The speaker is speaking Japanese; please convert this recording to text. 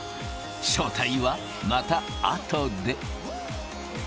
正体はまた後で。